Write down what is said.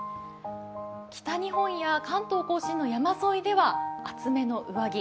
北日本や関東甲信の山沿いでは厚めの上着。